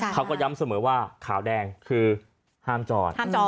เขาก็ย้ำเสมอว่าขาวแดงคือห้ามจอด